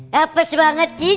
hapes banget sih